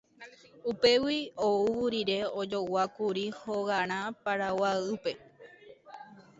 Upégui ou rire, ojoguákuri hogarã Paraguaýpe.